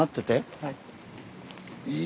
はい。